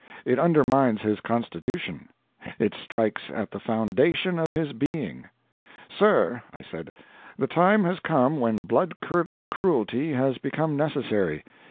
It undermines his constitution; it strikes at the foundation of his being. "Sir," I said, "the time has come when blood curdling cruelty has become necessary.